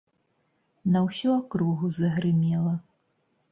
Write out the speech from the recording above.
На ўсю акругу загрымела.